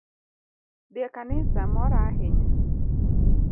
Dhi e kanisa mora ahinya